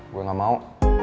gue gak mau